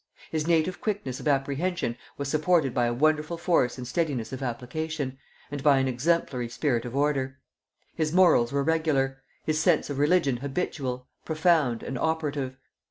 His native quickness of apprehension was supported by a wonderful force and steadiness of application, and by an exemplary spirit of order. His morals were regular; his sense of religion habitual, profound, and operative.